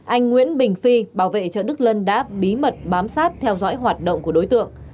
anh nguyễn bình phi bảo vệ chợ đức lân đã bí mật bám sát theo dõi hoạt động của đối tượng